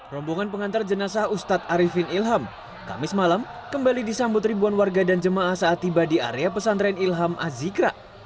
rombongan pengantar jenazah ustadz arifin ilham kamis malam kembali disambut ribuan warga dan jemaah saat tiba di area pesantren ilham azikra